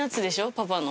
パパの。